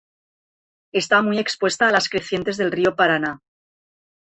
Está muy expuesta a las crecientes del río Paraná.